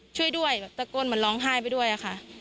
ช่วยด้วยแบบตะโกนเหมือนร้องไห้ไปด้วยอะค่ะ